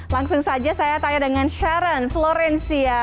langsung saja saya tanya dengan sharon florencia